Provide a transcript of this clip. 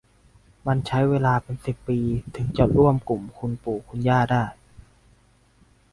มันใช้เวลาเป็นสิบปีถึงจะร่วมกลุ่มคุณปู่คุณย่าได้